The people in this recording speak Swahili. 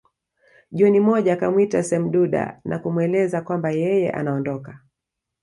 Jioni moja akamwita Semduda na kumweleza kwamba yeye anaondoka